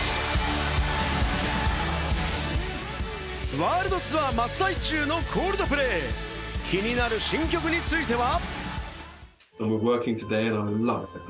ワールドツアー真っ最中のコールドプレイ、気になる新曲については。